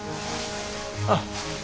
あっ。